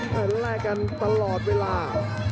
และแลกกันตลอดเวลา